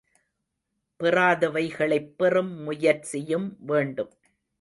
பெறாதவைகளைப் பெறும் முயற்சியும் வேண்டும்.